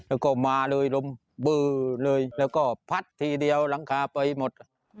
แล้วก็มาเลยลมเบอร์เลยแล้วก็พัดทีเดียวหลังคาไปหมด